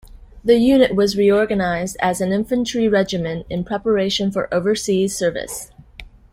The unit was reorganized as an infantry regiment in preparation for overseas service.